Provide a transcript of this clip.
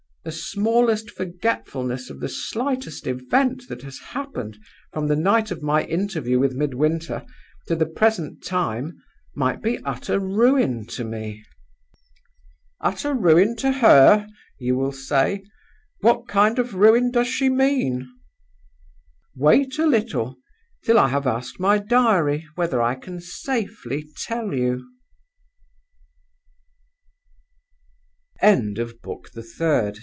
The smallest forgetfulness of the slightest event that has happened from the night of my interview with Midwinter to the present time might be utter ruin to me. "'Utter ruin to her!' you will say. 'What kind of ruin does she mean?' "Wait a little, till I have asked my diary whether I can safely tell you." X. MISS GWILT'S DIARY.